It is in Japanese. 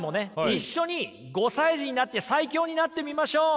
一緒に５歳児になって最強になってみましょう！